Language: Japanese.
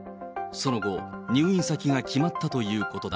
その後、入院先が決まったということだ。